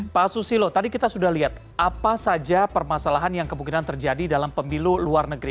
pak susilo tadi kita sudah lihat apa saja permasalahan yang kemungkinan terjadi dalam pemilu luar negeri